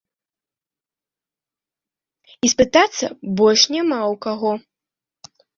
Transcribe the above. І спытацца больш няма ў кога.